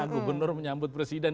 gubernur menyambut presiden